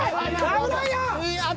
危ないよ！